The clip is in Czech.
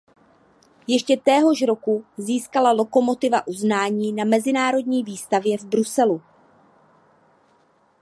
Ještě téhož roku získala lokomotiva uznání na mezinárodní výstavě v Bruselu.